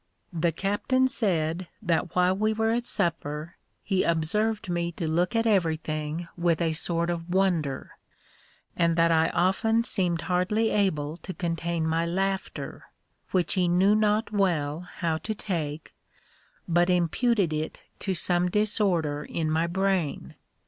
The captain said that while we were at supper he observed me to look at everything with a sort of wonder, and that I often seemed hardly able to contain my laughter, which he knew not well how to take, but imputed it to some disorder in my brain.